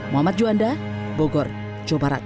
muhammad juanda bogor jawa barat